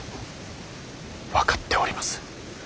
分かっております。